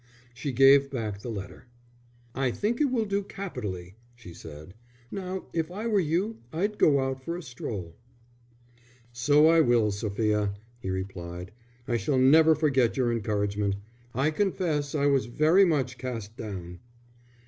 She gave back the letter. "I think it will do capitally," she said. "Now, if I were you, I'd go out for a stroll." "So I will, Sophia," he replied. "I shall never forget your encouragement. I confess I was very much cast down."